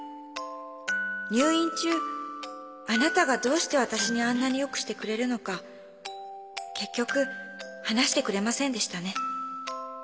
入院中あなたがどうしてわたしにあんなによくしてくれるのか結局話してくれませんでしたね。